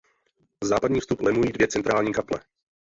Západní vstup lemují dvě centrální kaple.